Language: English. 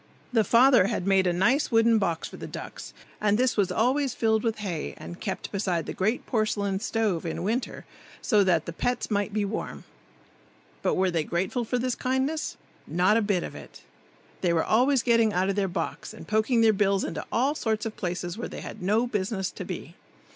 The father had made a nice wooden box for the ducks, and this was always filled with hay and kept beside the great porcelain stove in winter, so that the pets might be warm. But were they grateful for this kindness? Not a bit of it. They were always getting out of their box and poking their bills into all sorts of places where they had no business to be.